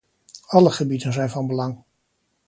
Alle gebieden zijn van belang.